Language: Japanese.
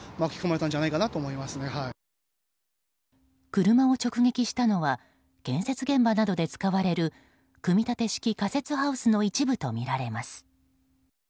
車を直撃したのは建設現場などで使われる組み立て式仮設ハウスの一部とみられます。